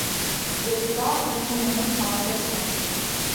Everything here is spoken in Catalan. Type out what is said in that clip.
Dedicar un monument a un personatge.